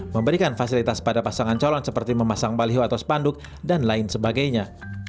memberikan fasilitas pada pasangan calon seperti memasang baliho atau spanduk dan lain sebagainya